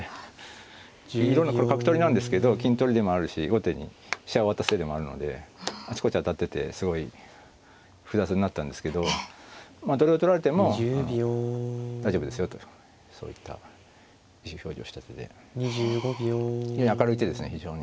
いろいろなこれ角取りなんですけど金取りでもあるし後手に飛車を渡す手でもあるのであちこち当たっててすごい複雑になったんですけどどれを取られても大丈夫ですよとそういった意思表示をした手で明るい手ですね非常に。